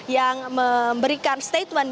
yang memberikan statement